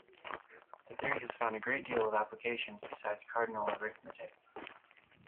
The theory has found a great deal of applications, besides cardinal arithmetic.